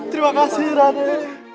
terima kasih raden